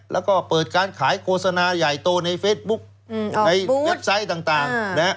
แล้วก็เปิดการขายโฆษณาใหญ่โตในเฟซบุ๊กในเว็บไซต์ต่างนะฮะ